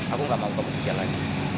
aku gak mau kamu tinggal lagi